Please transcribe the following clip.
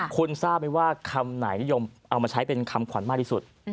คุณทราบไหมว่าคำไหนนิยมเอามาใช้เป็นคำขวัญมากที่สุด